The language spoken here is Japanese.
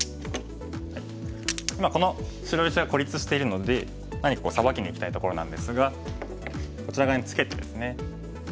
今この白石が孤立してるので何かサバキにいきたいところなんですがこちら側にツケてですね